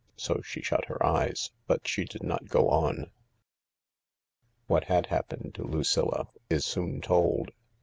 So she shut her eyes. But she did not go on. •»•»•* What had happened to Lucilla is soon told.